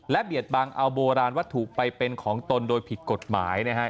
เบียดบังเอาโบราณวัตถุไปเป็นของตนโดยผิดกฎหมายนะครับ